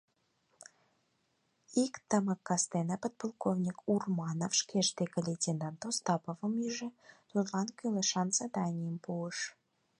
Ик тымык кастене подполковник Урманов шкеж дек лейтенант Остаповым ӱжӧ, тудлан кӱлешан заданийым пуыш.